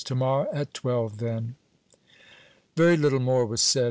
To morrow at twelve, then." Very little more was said.